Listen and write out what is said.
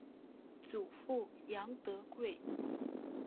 祖父杨德贵。